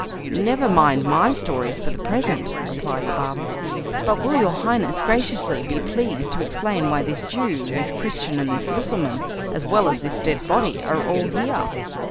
"Never mind my stories for the present," replied the barber, "but will your Highness graciously be pleased to explain why this Jew, this Christian, and this Mussulman, as well as this dead body, are all here?"